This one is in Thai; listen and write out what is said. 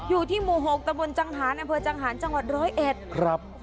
อยู่ที่หมู่หกตะบนจังหาญแอมเภอจังหาญจังหวัด๑๐๑